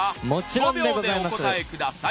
５秒でお答えください